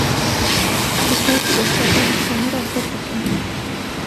لەکاتی ئێستادا، هەفتانە ڕاپۆرت دەکەین.